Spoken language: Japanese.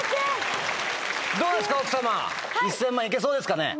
どうですか？